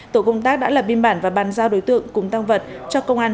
tổ công tác đã lập biên bản và bàn giao đối tượng cùng tăng vật cho công an